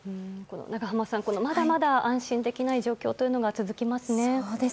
長濱さん、まだまだ安心できない状況が続きますね。